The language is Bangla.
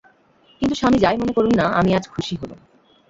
কিন্তু স্বামী যাই মনে করুন-না আমি আজ খুশি হলুম।